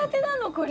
これ。